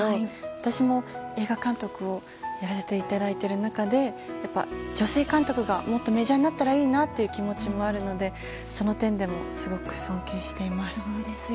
私も映画監督をやらせていただいてる中で女性監督がもっとメジャーなものになってほしいと思っているのでその点でもすごく尊敬しています。